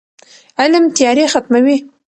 علم تیارې ختموي.